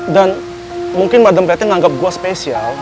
dan mungkin madam preti nganggep gue spesial